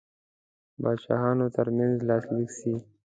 پاچاهانو ترمنځ لاسلیک سي.